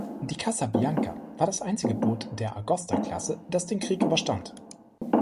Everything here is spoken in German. Die "Casabianca" war das einzige Boot der "Agosta"-Klasse, das den Krieg überstand.